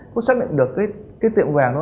có xác nhận được cái tiệm vàng đó